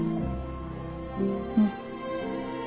うん。